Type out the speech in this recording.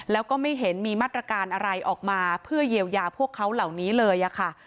แล้วก็ไม่เห็นมีมาตรการอะไรออกมาเพื่อเยียวยาพวกเขาเหล่านี้เลยค่ะ